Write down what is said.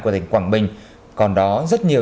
của tỉnh quảng bình còn đó rất nhiều